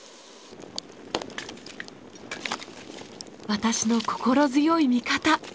私の心強い味方。